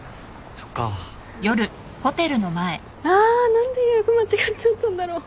何で予約間違っちゃったんだろ。